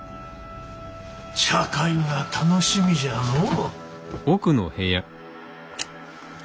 茶会が楽しみじゃのう。